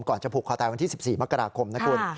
จะผูกคอตายวันที่๑๔มกราคมนะคุณ